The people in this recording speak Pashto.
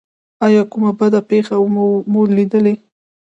ایا کومه بده پیښه مو لیدلې؟